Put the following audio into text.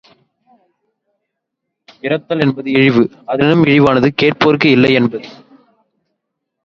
There is also a cricket ground and a large duck pond.